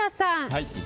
はい。